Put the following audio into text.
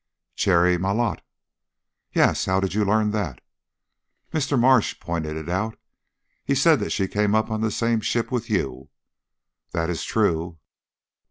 "Cherry Malotte." "Yes. How did you learn that?" "Mr. Marsh pointed it out. He said she came up on the same ship with you." "That is true."